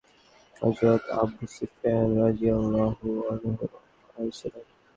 হযরত আবু সুফিয়ান রাযিয়াল্লাহু আনহু আসছিলেন।